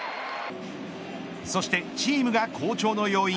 そして、チームが好調の要因